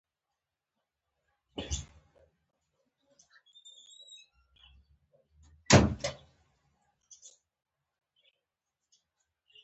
ما یو څو مهم کارونه په ګوته کړل.